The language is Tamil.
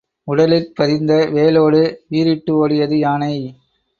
உடலிற் பதிந்த வேலோடு வீரிட்டு ஓடியது யானை.